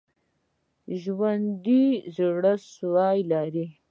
ژوندي زړسوي لري